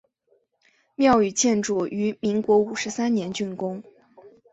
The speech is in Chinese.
庙宇建筑于民国五十三年竣工。